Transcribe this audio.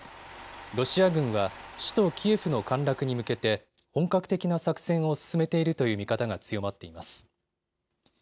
ロシア軍は首都キエフの陥落に向けて本格的な作戦を進めているという見方が強まっています。